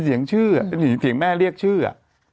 พอได้ยินเสียงแม่เรียกชื่อ